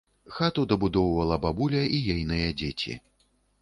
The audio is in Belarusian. Хату дабудоўвала бабуля і ейныя дзеці.